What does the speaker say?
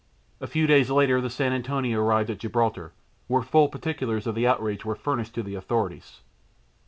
A few days later the San Antonio arrived at Gibraltar, where full particulars of the outrage were furnished to the authorities.